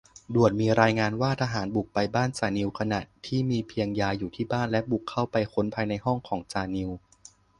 ด่วน ! มีรายงานว่า ทหารบุกไปบ้านจ่านิว ขณะที่มีเพียงยายอยู่ที่บ้าน และบุกเข้าไปค้นภายในห้องของจ่านิว